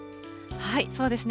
そうですね。